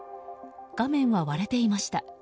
画面は割れていました。